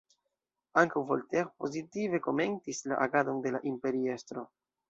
Ankaŭ Voltaire pozitive komentis la agadon de la Imperiestro.